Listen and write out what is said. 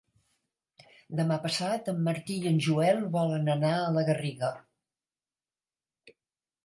Demà passat en Martí i en Joel volen anar a la Garriga.